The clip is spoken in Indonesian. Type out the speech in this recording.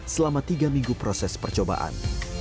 selama tiga minggu proses percobaan